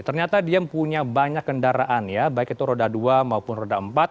ternyata dia punya banyak kendaraan ya baik itu roda dua maupun roda empat